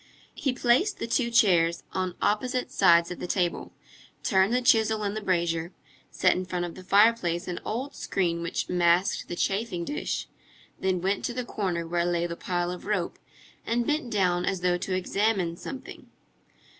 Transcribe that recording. He placed the two chairs on opposite sides of the table, turned the chisel in the brazier, set in front of the fireplace an old screen which masked the chafing dish, then went to the corner where lay the pile of rope, and bent down as though to examine something.